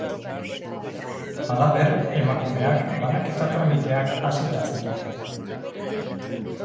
Halaber, emakumeak banaketa tramiteak hasita zituen.